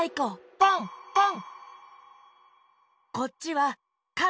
ポンポン！